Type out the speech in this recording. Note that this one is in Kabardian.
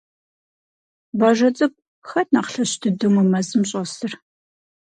Бажэ цӀыкӀу, хэт нэхъ лъэщ дыдэу мы мэзым щӀэсыр?